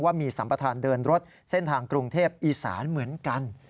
ว่ามีสัมประธานเดินรถเส้นทางกรุงเทพอีสานเหมือนกัน